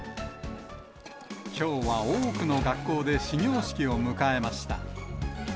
きょうは多くの学校で始業式を迎えました。